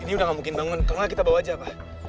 ini udah gak mungkin bangun kena kita bawa aja apa